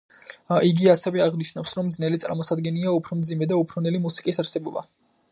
იგი ასევე აღნიშნავს, რომ ძნელი წარმოსადგენია უფრო მძიმე და უფრო ნელი მუსიკის არსებობა.